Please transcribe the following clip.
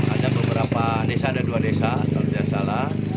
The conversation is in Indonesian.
ada beberapa desa ada dua desa kalau tidak salah